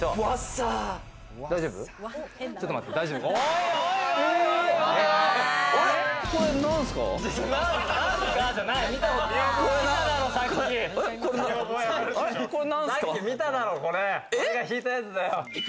さっき見ただろ、俺が引いたやつだよ。